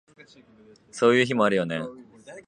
そういう日もあるよね